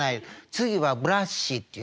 次はブラッシーっていうの」。